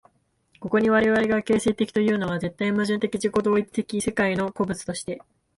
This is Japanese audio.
ここに我々が形成的というのは、絶対矛盾的自己同一的世界の個物として、